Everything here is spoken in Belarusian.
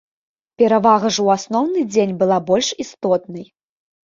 Перавага ж у асноўны дзень была больш істотнай.